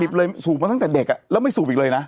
เลยสูบมาตั้งแต่เด็กแล้วไม่สูบอีกเลยนะ